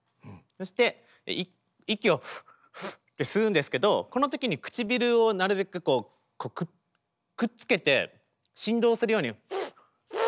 そして息を「フッフッ」って吸うんですけどこのときに唇をなるべくくっつけて振動するように。